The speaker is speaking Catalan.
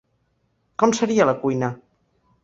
Com seria la cuina?